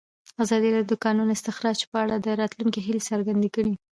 ازادي راډیو د د کانونو استخراج په اړه د راتلونکي هیلې څرګندې کړې.